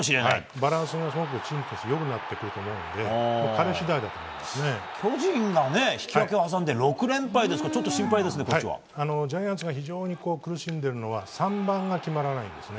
バランスが良くなってくると思うので巨人が引き分けを挟んで６連敗ですがジャイアンツが非常に苦しんでいるのは３番が決まらないんですね。